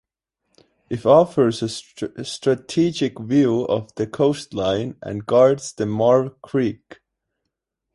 It offers a strategic view of the coastline and guards the Marve Creek.